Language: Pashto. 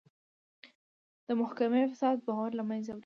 د محکمې فساد باور له منځه وړي.